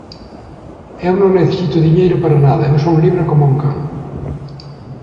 Eu non necesito diñeiro para nada, e son libre coma un can.